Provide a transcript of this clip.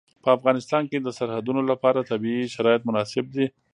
په افغانستان کې د سرحدونه لپاره طبیعي شرایط مناسب دي.